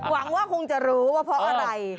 หวังว่าคงจะรู้ว่าเพราะอะไร